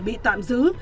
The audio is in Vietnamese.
bị tạm giữ